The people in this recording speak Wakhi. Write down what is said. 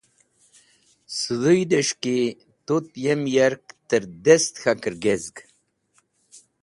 Sẽdhũydẽs̃h ki tut yem yark tẽrdest k̃hakẽr gesz.